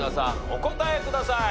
お答えください。